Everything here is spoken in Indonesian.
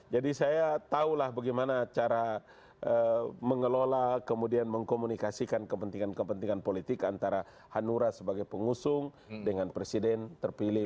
jadi saya tahulah bagaimana cara mengelola kemudian mengkomunikasikan kepentingan kepentingan politik antara hanura sebagai pengusung dengan presiden terpilih